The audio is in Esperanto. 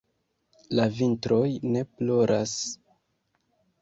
la vintroj ne ploras?